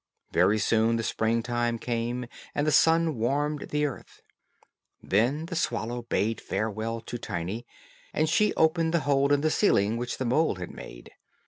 Very soon the spring time came, and the sun warmed the earth. Then the swallow bade farewell to Tiny, and she opened the hole in the ceiling which the mole had made.